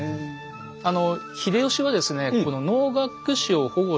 あの秀吉はですね